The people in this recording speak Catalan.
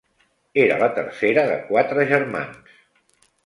Era la tercera de quatre germans.